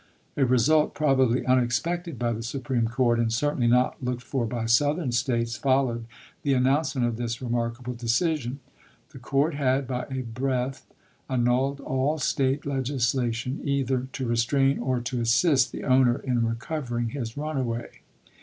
A result probably unexpected by the Supreme Court, and certainly not looked for by Southern States, followed the announcement of this remark able decision. The Court had, by a breath, annulled all State legislation either to restrain or to assist the owner in recovering his runaway.